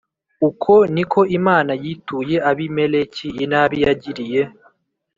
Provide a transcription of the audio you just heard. Uko ni ko Imana yituye Abimeleki inabi yagiriye